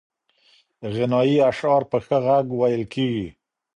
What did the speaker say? غنایي اشعار په ښه غږ ویل کېږي.